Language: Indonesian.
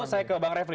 saya ke bang refli